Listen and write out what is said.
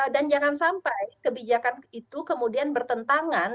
dan jangan sampai kebijakan itu kemudian bertentangan